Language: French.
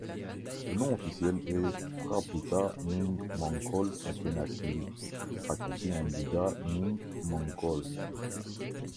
Le nom officiel est Phra Phutta Ming Mongkol Akenakiri, raccourci en bouddha Ming Mongkol.